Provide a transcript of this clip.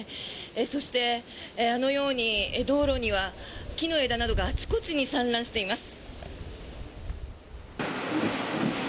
そして、あのように道路には木の枝などがあちこちに散乱しています。